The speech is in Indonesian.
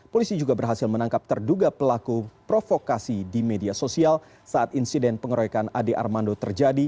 polisi juga berhasil menangkap terduga pelaku provokasi di media sosial saat insiden pengeroyokan ade armando terjadi